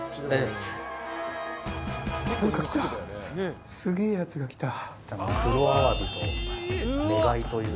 すげえやつが来た。